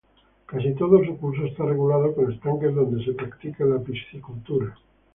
Casi todo su curso está regulado con estanques donde se practica la piscicultura.